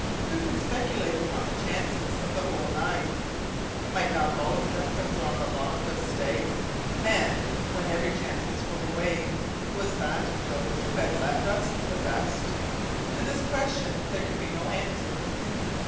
Who could speculate upon the chances of the whole nine? Might not all of them have drawn the lot of "stay"? And, when every chance was fully weighed, was that of those who had left us the best? To this question there could be no answer.